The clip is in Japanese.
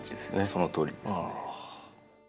そのとおりですね。